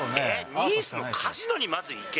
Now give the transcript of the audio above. ニースのカジノにまず行け？